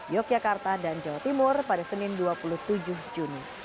yogyakarta dan jawa timur pada senin dua puluh tujuh juni